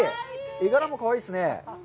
絵柄もかわいいですね。